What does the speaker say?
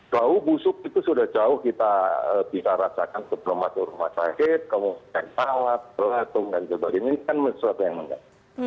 bau busuk itu sudah jauh kita tidak rajakan ke rumah sakit ke pangkat ke latung dan sebagainya ini kan sesuatu yang menarik